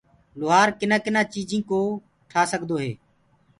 لوهآر ڪنآ ڪنآ چيجين ڪو ٺآ سگدوئي